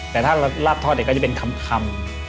แต่ถ้าราดทอดเรียกว่าจะเป็นคำ